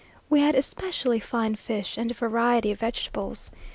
We had especially fine fish, and a variety of vegetables.